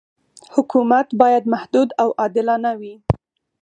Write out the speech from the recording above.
حکومت باید محدود او عادلانه وي.